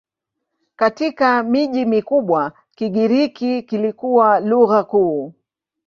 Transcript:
Katika miji mikubwa Kigiriki kilikuwa lugha kuu.